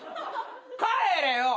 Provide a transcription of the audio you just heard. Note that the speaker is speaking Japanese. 帰れよ！